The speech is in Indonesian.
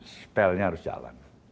spell nya harus jalan